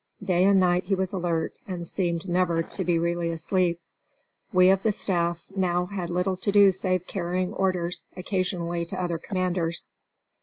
Day and night he was alert, and seemed never to be really asleep. We of the staff now had little to do save carrying orders occasionally to other commanders.